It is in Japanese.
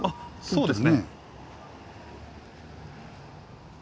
そうですね。